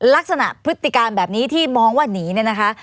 พฤติการแบบนี้ที่มองว่าหนีเนี่ยนะคะ